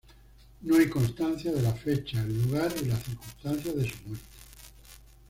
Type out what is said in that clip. No hay constancia de la fecha, el lugar y las circunstancias de su muerte.